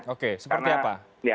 oke seperti apa